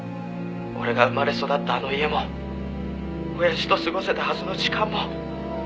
「俺が生まれ育ったあの家も親父と過ごせたはずの時間も」